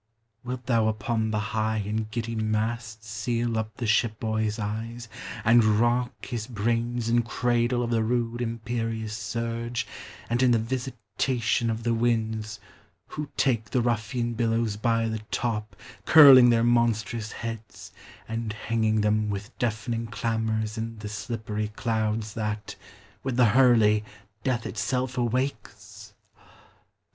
Wilt thou upon the high and giddy mast Seal up the ship boy's eyes, and rock his brains In cradle of the rude imperious surge, And in the visitation of the winds, Who take the ruffian billows by the top, Curling their monstrous heads, and hanging them With deafening clamors in the slippery clouds, That, with the hurly, death itself awakes?